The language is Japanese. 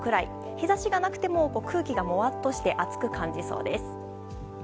日差しがなくても空気がもわっとして暑く感じそうです。